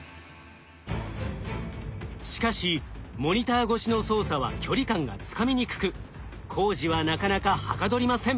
しかしモニター越しの操作は距離感がつかみにくく工事はなかなかはかどりません。